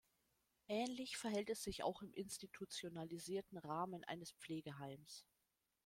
Ähnlich verhält es sich auch im institutionalisierten Rahmen eines Pflegeheims.